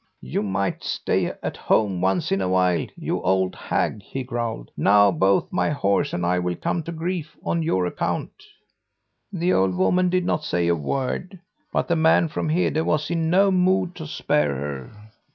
"'You might stay at home once in awhile, you old hag!' he growled. 'Now both my horse and I will come to grief on your account.' "The old woman did not say a word, but the man from Hede was in no mood to spare her.